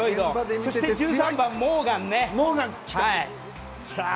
そして１３番、モーガン。